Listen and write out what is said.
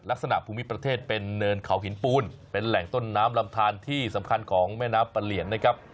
ภูมิประเทศเป็นเนินเขาหินปูนเป็นแหล่งต้นน้ำลำทานที่สำคัญของแม่น้ำปะเหลียนนะครับ